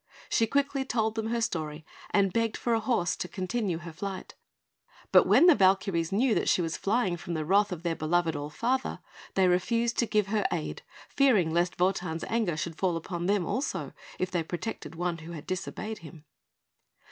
She quickly told them her story, and begged for a horse to continue her flight; but when the Valkyries knew that she was flying from the wrath of their beloved All Father, they refused to give her aid, fearing lest Wotan's anger should fall upon them also, if they protected one who had disobeyed him.